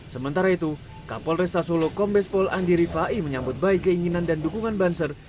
sementara itu mapol resta solo kombespol andi rifai menyambut baik keinginan dan dukungan banser